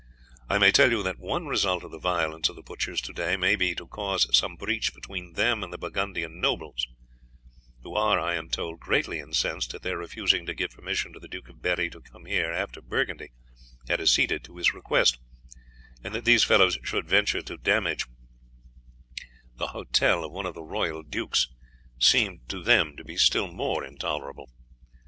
I may tell you that one result of the violence of the butchers to day may be to cause some breach between them and the Burgundian nobles, who are, I am told, greatly incensed at their refusing to give permission to the Duke of Berri to come here after Burgundy had acceded to his request, and that these fellows should venture to damage the hotel of one of the royal dukes seemed to them to be still more intolerable.